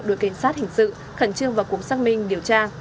đối cảnh sát hình sự khẩn trương và cúng xác minh điều tra